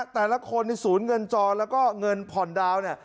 แต่ละคนในศูนย์เงินจอแล้วก็เงินผ่อนดาวเนี่ย